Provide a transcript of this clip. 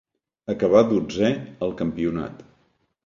Acabà dotzè al campionat.